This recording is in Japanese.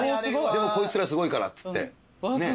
でもこいつらすごいからつってねえ。